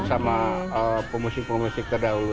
sama pemusik pemusik terdahulu